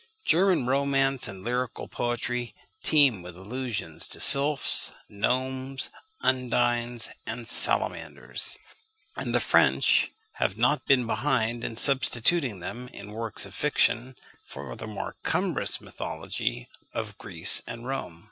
German romance and lyrical poetry teem with allusions to sylphs, gnomes, undines, and salamanders; and the French have not been behind in substituting them, in works of fiction, for the more cumbrous mythology of Greece and Rome.